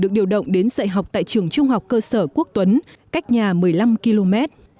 được điều động đến dạy học tại trường trung học cơ sở quốc tuấn cách nhà một mươi năm km